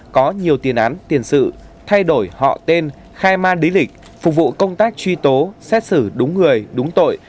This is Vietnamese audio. có nhiều tiền án tiền sự thay đổi họ tên khai man lý lịch phục vụ công tác truy tố xét xử đúng người đúng tội